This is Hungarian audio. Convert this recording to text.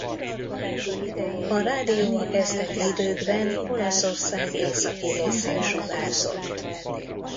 A rádió a kezdeti időkben Olaszország északi részén sugárzott.